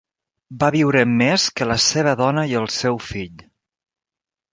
Va viure més que la seva dona i el seu fill.